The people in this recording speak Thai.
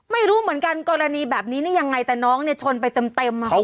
ไม่รู้เหมือนกันกรณีแบบนี้นี่ยังไงแต่น้องเนี่ยชนไปเต็มค่ะ